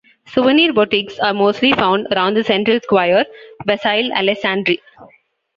Souvenir boutiques are mostly found around the central square Vasile Alecsandri.